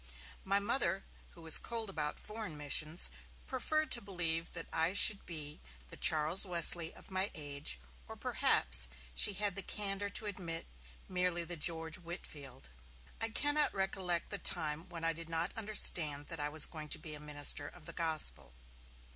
My Mother, who was cold about foreign missions, preferred to believe that I should be the Charles Wesley of my age, 'or perhaps', she had the candour to admit, 'merely the George Whitefield'. I cannot recollect the time when I did not understand that I was going to be a minister of the Gospel.